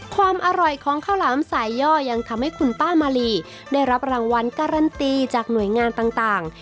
ความอร่อยของข้าวหลามสายย่อยังทำให้คุณป้ามาลีได้รับรางวัลการันตีจากหน่วยงานต่าง